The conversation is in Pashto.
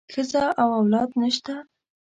ښځه او اولاد نشته.